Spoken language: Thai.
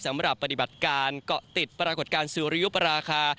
สำหรับปฏิบัติการเกาะติดปรากฏการณ์สุริยุปราคา